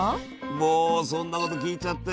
もうそんなこと聞いちゃって。